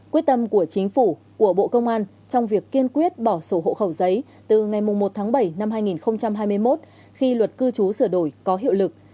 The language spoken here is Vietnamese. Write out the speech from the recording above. quyết tâm của chính phủ của bộ công an trong việc kiên quyết bỏ sổ hộ khẩu giấy từ ngày một tháng bảy năm hai nghìn hai mươi một khi luật cư trú sửa đổi có hiệu lực